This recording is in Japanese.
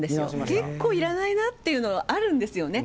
結構いらないなっていうのあるんですよね。